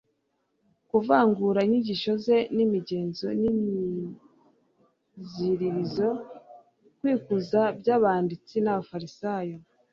kuvangura inyigisho ze n'imigenzo n'imiziririzo no kwikuza by'abanditsi n'abafarisayo.